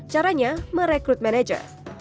caranya merekrut manajer